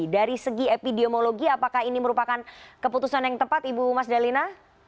dari segi epidemiologi apakah ini merupakan keputusan yang tepat ibu mas dalina